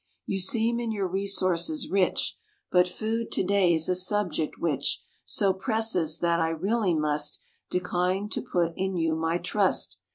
You seem in your resources rich; But food to day's a subject which So presses, that I really must Decline to put in you my trust."